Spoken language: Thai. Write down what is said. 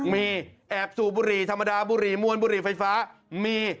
มีแอบสูบบุหรี่ธรรมดาบุหรี่มวลบุหรี่ไฟฟ้ามี